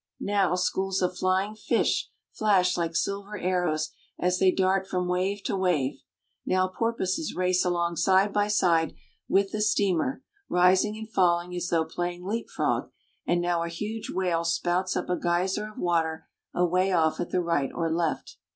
Now schools of flying fish flash like silver arrows as they dart from wave to wave, now porpoises race along side by side with the steamer, rising and falling as though playing leap frog, and now a huge whale spouts up a geyser of water away off at the right or left.